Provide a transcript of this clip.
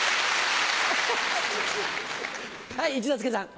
はい一之輔さん。